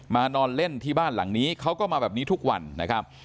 นอนเล่นที่บ้านหลังนี้เขาก็มาแบบนี้ทุกวันนะครับ